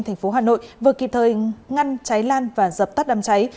thành phố hà nội vừa kịp thời ngăn cháy lan và dập tắt đám cháy